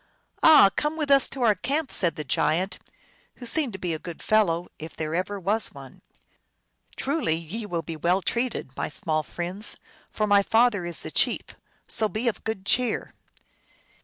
"Ah, come with us to our camp," said the giant, who seemed to be a good fellow, if there ever was one. " Truly, ye will be well treated, my small friends, for my father is the chief; so be of good cheer